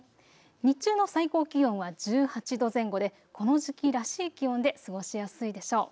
日中の最高気温は１８度前後でこの時期らしい気温で過ごしやすいでしょう。